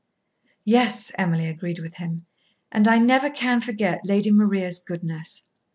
"Yes," Emily agreed with him. "And I never can forget Lady Maria's goodness."